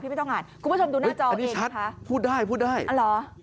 คุณผู้ชมดูหน้าจอเองค่ะอันนี้ชัดพูดได้อ๋อเหรอ